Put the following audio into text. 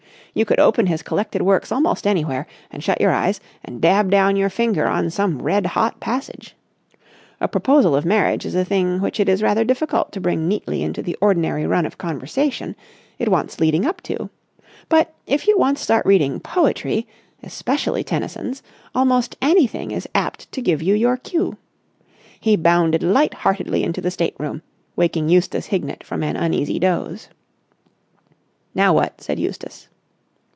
You could open his collected works almost anywhere and shut your eyes and dab down your finger on some red hot passage. A proposal of marriage is a thing which it is rather difficult to bring neatly into the ordinary run of conversation. It wants leading up to. But, if you once start reading poetry, especially Tennyson's, almost anything is apt to give you your cue. He bounded light heartedly into the state room, waking Eustace Hignett from an uneasy dose. "Now what?" said Eustace.